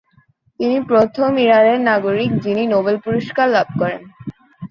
তিনি প্রথম ইরানের নাগরিক যিনি নোবেল পুরস্কার লাভ করেন।